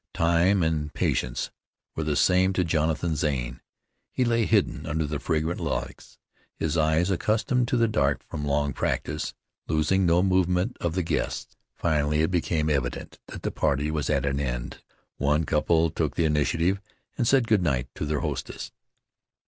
Time and patience were the same to Jonathan Zane. He lay hidden under the fragrant lilacs, his eyes, accustomed to the dark from long practice, losing no movement of the guests. Finally it became evident that the party was at an end. One couple took the initiative, and said good night to their hostess.